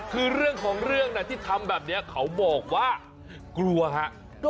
คือเรื่องของเรื่องนะที่ทำแบบนี้เขาบอกว่ากลัวฮะ